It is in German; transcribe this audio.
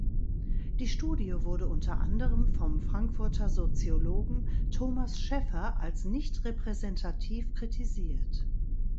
Die Studie wurde unter anderem vom Frankfurter Soziologen Thomas Scheffer als nicht repräsentativ kritisiert.